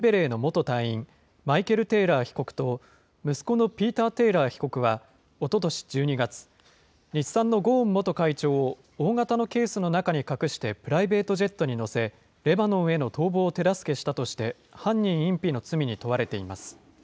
世界を驚かせた逃亡劇の経緯がどこまで明らかになるかが焦点となアメリカ軍の特殊部隊、グリーンベレーの元隊員、マイケル・テイラー被告と息子のピーター・テイラー被告はおととし１２月、日産のゴーン元会長を大型のケースの中に隠して、プライベートジェットに乗せ、レバノンへの逃亡を手助けしたとして、犯人隠避の罪に問われています。